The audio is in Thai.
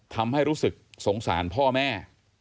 ทำให้รู้สึกสงสารพ่อแม่